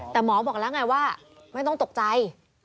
แต่หมอบอกแล้วไงว่าไม่ต้องตกใจ